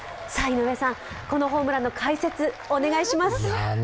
井上さん、このホームランの解説、お願いします。